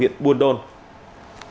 huyện buôn đôn tỉnh đắk lắc